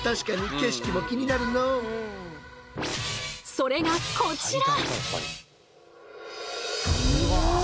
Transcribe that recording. それがこちら！